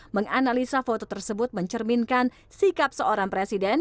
menganalisa foto tersebut mencerminkan sikap seorang presiden